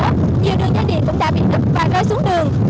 nhiều đường dây điện cũng đã bị ngập và rơi xuống đường